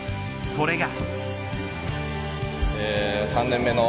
それが。